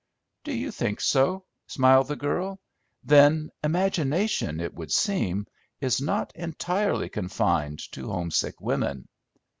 "Do you think so?" smiled the girl. "Then imagination, it would seem, is not entirely confined to homesick women."